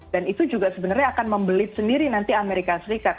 dan itu juga sebenarnya akan membelit sendiri nanti amerika serikat